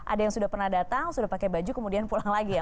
ada yang sudah pernah datang sudah pakai baju kemudian pulang lagi ya